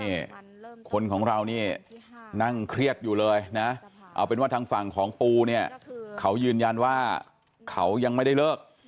นี่คนของเรานี่นั่งเครียดอยู่เลยนะเอาเป็นว่าทางฝั่งของปูเนี่ยเขายืนยันว่าเขายังไม่ได้เลิก